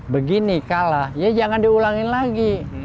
begini kalah ya jangan diulangin lagi